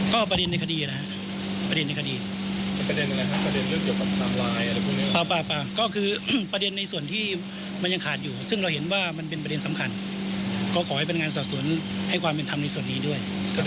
ก็ประเด็นในคดีนะครับประเด็นในคดีก็คือประเด็นในส่วนที่มันยังขาดอยู่ซึ่งเราเห็นว่ามันเป็นประเด็นสำคัญก็ขอให้เป็นงานสอดส่วนให้ความเป็นทำในส่วนนี้ด้วย